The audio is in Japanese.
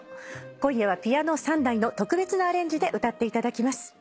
今夜はピアノ３台の特別なアレンジで歌っていただきます。